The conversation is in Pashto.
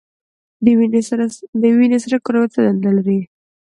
د وینې سره کرویات څه دنده لري؟